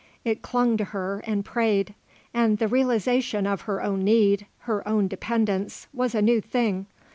It clung to her and prayed; and the realisation of her own need, her own dependence, was a new thing.